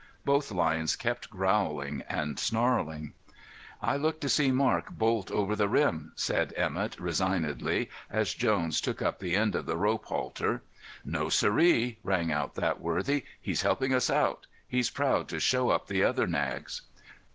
Both lions kept growling and snarling. "I look to see Marc bolt over the rim," said Emett, resignedly, as Jones took up the end of the rope halter. "No siree!" sang out that worthy. "He's helping us out; he's proud to show up the other nags."